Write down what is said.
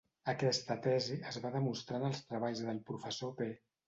Aquesta tesi es va demostrar en els treballs del Professor B.